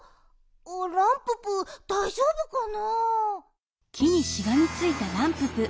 ランププだいじょうぶかな？